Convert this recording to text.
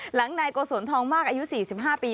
หลังนายโกศลทองมากอายุ๔๕ปี